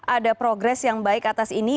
ada progres yang baik atas ini